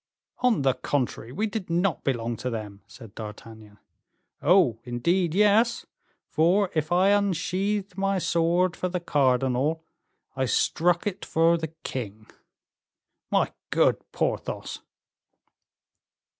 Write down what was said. "On the contrary, we did not belong to them," said D'Artagnan. "Oh! indeed, yes; for if I unsheathed my sword for the cardinal, I struck it for the king." "My good Porthos!"